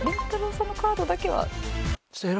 さんのカードだけは。